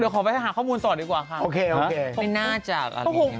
อ๋อเดี๋ยวขอไปหาข้อมูลต่อดีกว่าค่ะไม่น่าจะอะไรอย่างนี้